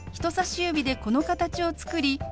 人さし指でこの形を作り